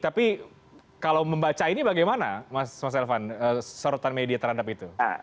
tapi kalau membaca ini bagaimana mas elvan sorotan media terhadap itu